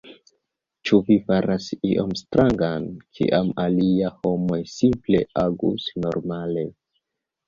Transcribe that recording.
Ĉu vi faras ion strangan, kiam aliaj homoj simple agus normale.